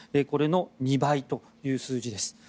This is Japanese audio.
これの２倍という数字です。